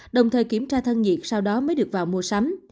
đồng thời kiểm tra thân nhiệt sau đó mới được vào mua sắm